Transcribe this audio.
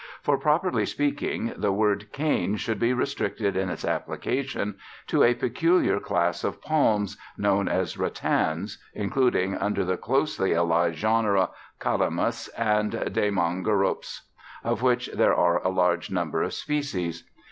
For properly speaking, the word cane should be restricted in its application to a peculiar class of palms, known as ratans, included under the closely allied genera Calamus and Daemonorops, of which there are a large number of species.